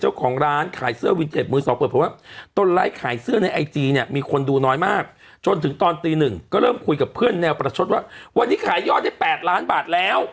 เจ้าของร้านขายเสื้อวินเทปมือสองเปิดเพราะว่าตนไลฟ์ขายเสื้อในไอจีเนี่ยมีคนดูน้อยมากจนถึงตอนตีหนึ่งก็เริ่มคุยกับเพื่อนแนวประชดว่าวันนี้ขายยอดได้๘ล้านบาทแล้ว